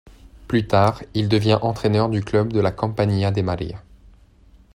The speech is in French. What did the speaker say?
Plus tard, il devient entraîneur du club de la Compañía de María.